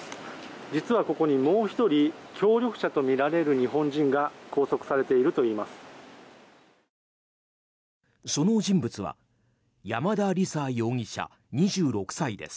実はここに、もう１人協力者とみられる日本人が拘束されているといいます。